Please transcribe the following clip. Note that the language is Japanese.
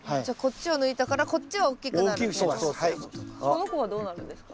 この子はどうなるんですか？